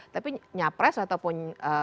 tapi nyapres ataupun